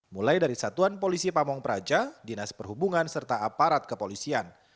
mulai dari satuan polisi pamung praja dinas perhubungan serta aparat kepolisian